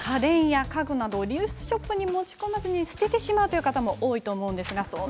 続いては家電や家具などリユースショップに持ち込まずに捨ててしまうという方も多いと思います。